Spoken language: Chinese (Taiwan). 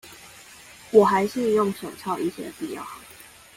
我還是用手抄一些比較好